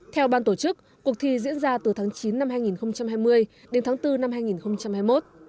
theo ban tổ chức cuộc thi diễn ra từ tháng chín năm hai nghìn hai mươi đến tháng bốn năm hai nghìn hai mươi một